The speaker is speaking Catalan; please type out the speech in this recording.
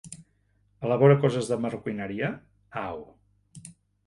Elabora coses de marroquineria, au!